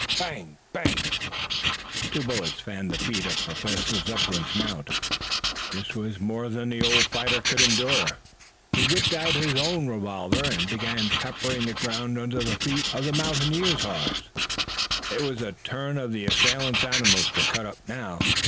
Bang, bang! Two bullets fanned the feet of Professor Zepplin's mount. This was more than the old fighter could endure. He whipped out his own revolver and began peppering the ground under the feet of the mountaineers' horses. It was the turn of the assailants' animals to cut up now.